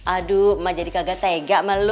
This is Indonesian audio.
aduh emang jadi kagak tega sama lu